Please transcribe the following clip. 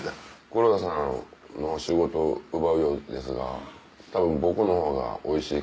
黒田さんの仕事奪うようですがたぶん僕の方がおいしい